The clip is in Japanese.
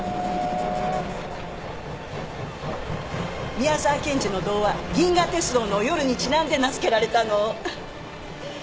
宮沢賢治の童話『銀河鉄道の夜』にちなんで名付けられたの。